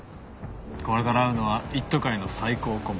これから会うのは一途会の最高顧問。